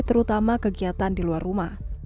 terutama kegiatan di luar rumah